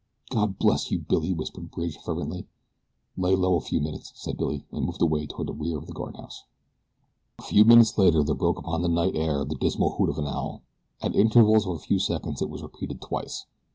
"God bless you, Billy!" whispered Bridge, fervently. "Lay low a few minutes," said Billy, and moved away toward the rear of the guardhouse. A few minutes later there broke upon the night air the dismal hoot of an owl. At intervals of a few seconds it was repeated twice.